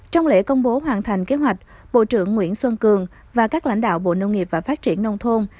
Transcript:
trong lễ công bố hoàn thành kế hoạch bộ trưởng nguyễn xuân cường và các lãnh đạo bộ nông nghiệp và phát triển nông thôn